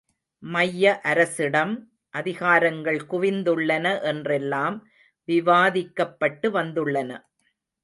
மைய அரசிடம் அதிகாரங்கள் குவிந்துள்ளன என்றெல்லாம் விவாதிக்கப்பட்டு வந்துள்ளன.